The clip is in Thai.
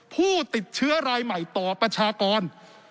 ผู้ติดเชื้อรายใหม่ต่อประชากร